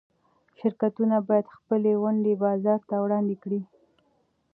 شرکتونه باید خپلې ونډې بازار ته وړاندې کړي.